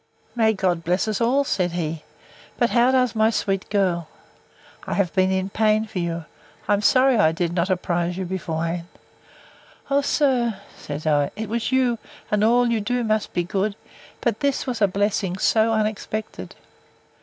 May God bless us all! said he. But how does my sweet girl? I have been in pain for you—I am sorry I did not apprise you beforehand. O sir, said I, it was you; and all you do must be good—But this was a blessing so unexpected!